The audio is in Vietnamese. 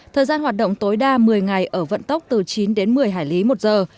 thời gian hoạt động tối đa một mươi ngày ở vận tốc từ chín đến một mươi hải lý một giờ